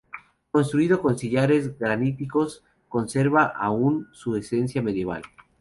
Construido con sillares graníticos, conserva aún su esencia medieval.